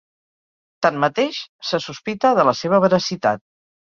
Tanmateix, se sospita de la seva veracitat.